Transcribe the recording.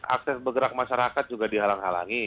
akses bergerak masyarakat juga dihalang halangi